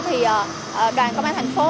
thì đoàn công an thành phố